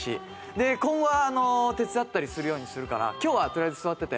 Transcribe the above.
で今後は手伝ったりするようにするから今日はとりあえず座ってて。